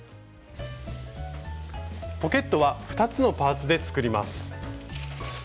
ポケットは２つのパーツで作ります。